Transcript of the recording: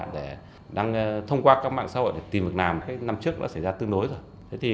để thông qua các mạng xã hội để tìm được nàm năm trước đã xảy ra tương đối rồi